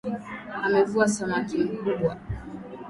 Amevua samaki mkubwa.